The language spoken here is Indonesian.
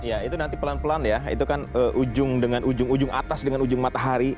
ya itu nanti pelan pelan ya itu kan ujung dengan ujung ujung atas dengan ujung matahari